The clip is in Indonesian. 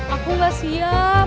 aku gak siap